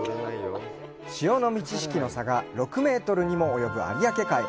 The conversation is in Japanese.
潮の満ち引きの差が６メートルにも及ぶ有明海。